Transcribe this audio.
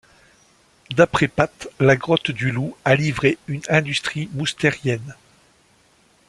D'après Patte, la grotte du Loup a livré une industrie moustérienne.